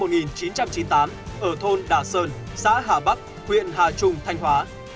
vũ tiến lòng sinh năm một nghìn chín trăm chín mươi tám ở thôn đà sơn xã hà bắc huyện hà trung thanh hóa